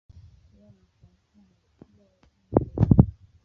索尔河畔勒布雄。